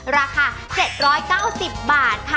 ราคา๗๙๐บาท